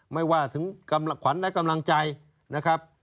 ไม่ว่าถึงกำลังขวัญและกำลังใจนะครับ